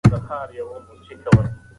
لوړې ودانۍ ځینې وخت ستونزې جوړوي.